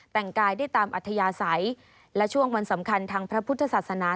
แต่งกายได้ตามอัธยาศัยและช่วงวันสำคัญทางพระพุทธศาสนา